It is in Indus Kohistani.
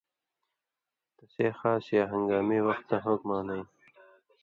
تسے خاص یا ہن٘گامی وختاں حُکمہ نَیں